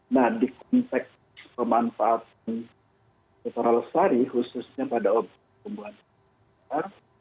nah di konteks pemanfaatan secara luas hari khususnya pada objek pembuatan